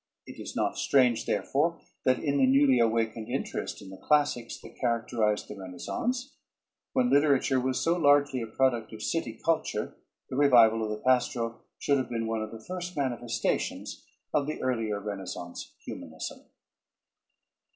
It is not strange, therefore, that in the newly awakened interest in the classics that characterized the Renaissance, when literature was so largely a product of city culture, the revival of the pastoral should have been one of the first manifestations of the earlier Renaissance humanism.